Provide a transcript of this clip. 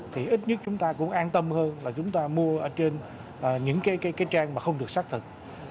thì ít nhất chúng ta cũng an tâm hơn là chúng ta mua ở trên những cái trang mà không được xác thực